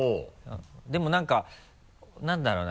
でも何か何だろうな？